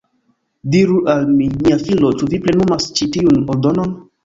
Diru al mi, mia filo, ĉu vi plenumas ĉi tiun ordonon?